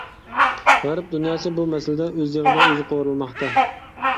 غەرب دۇنياسى بۇ مەسىلىدە ئۆز يېغىدا ئۆزى قورۇلماقتا.